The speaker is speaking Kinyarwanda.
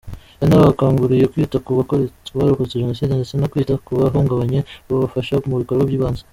Yanabakanguriye kwita ku barokotse Jenoside ndetse no kwita kubahungabanye babafasha mu bikorwa byibanze.